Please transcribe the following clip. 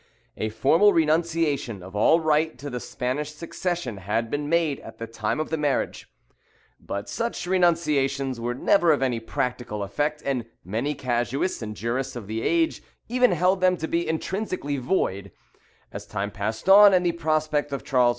A formal renunciation of all right to the Spanish succession had been made at the time of the marriage; but such renunciations were never of any practical effect, and many casuists and jurists of the age even held them to be intrinsically void, as time passed on, and the prospect of Charles II.